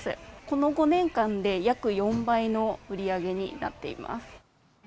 この５年間で約４倍の売り上げになっています。